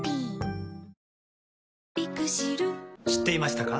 知っていましたか？